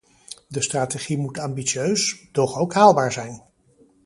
De strategie moet ambitieus, doch ook haalbaar zijn.